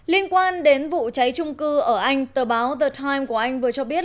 liên quan đến vụ cháy trung cư ở anh tờ báo the của anh vừa cho biết